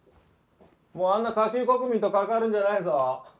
もうあんな下級国民と関わるんじゃないぞ。